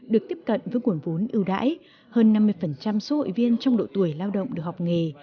được tiếp cận với nguồn vốn ưu đãi hơn năm mươi số hội viên trong độ tuổi lao động được học nghề